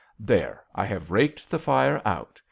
There ! I have raked the fire out.